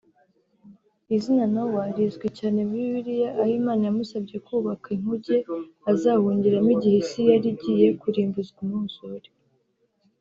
Izina Noah rizwi cyane muri Bibiliya aho Imana yamusabye kubaka inkuge azahungiramo igihe Isi yari igiye kurimbuzwa umwuzure